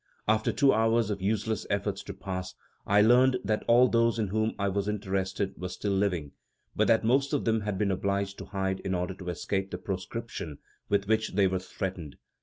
After two hours of useless efforts to pass I learned that all those in whom I was interested were still living, but that most of them had been obliged to hide in order to escape the proscription with which they were threatened.